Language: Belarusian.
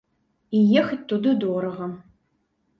І ехаць туды дорага.